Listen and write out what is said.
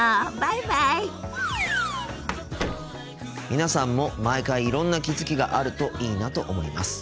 皆さんも毎回いろんな気付きがあるといいなと思います。